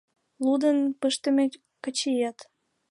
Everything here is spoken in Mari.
Лудын пыштыме качиет